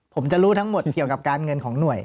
ผมจะรู้ทั้งหมดเกี่ยวกับการเงินของหน่วย